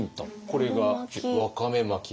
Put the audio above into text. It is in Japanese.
これがわかめ巻きで。